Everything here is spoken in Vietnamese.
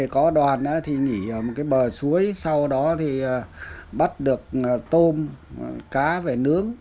có đoàn nghỉ ở một bờ suối sau đó bắt được tôm cá phải nướng